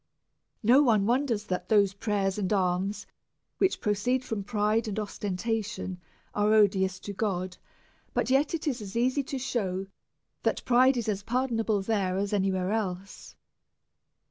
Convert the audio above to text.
No one wonders tiiat those prayers and alms which proceed from pride and ostentation are odious to God ; but yet it is as easy to she^v that pride is as pardon able there as any \^here else.